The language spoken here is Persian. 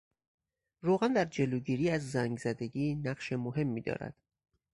روغن در جلوگیری از زنگ زدگی نقش مهمی دارد.